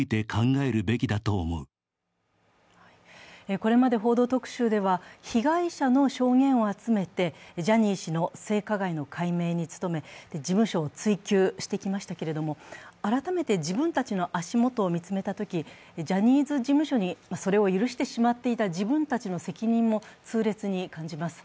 これまで「報道特集」では被害者の証言を集めてジャニー氏の性加害の解明に努め、事務所を追及してきましたけれども、改めて自分たちの足元を見つめたときジャニーズ事務所にそれを許してしまっていた自分たちの責任も痛烈に感じます。